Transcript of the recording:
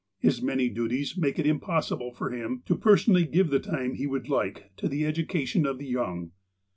His many duties make it impossi ble for him to personally give the time he would like to the education of the young.